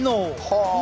はあ！